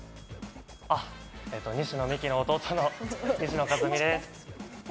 西野未姫の弟の西野一海です。